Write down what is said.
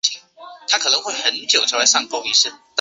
华南花蟹蛛为蟹蛛科花蟹蛛属的动物。